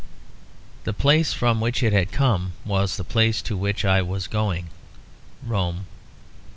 The place from which it had come was the place to which I was going; Rome.